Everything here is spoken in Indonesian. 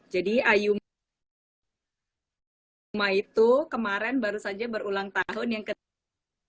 jadi ayuma itu kemarin baru saja berulang tahun yang ketiga